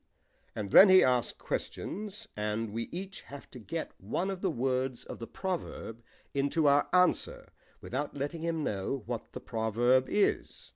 "And then he asks questions, and we each have to get one of the words of the proverb into our answer, without letting him know what the proverb is.